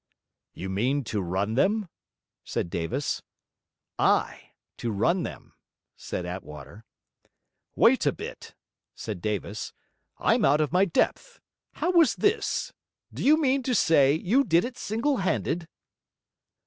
'You mean to run them?' said Davis. 'Ay! to run them,' said Attwater. 'Wait a bit,' said Davis, 'I'm out of my depth. How was this? Do you mean to say you did it single handed?'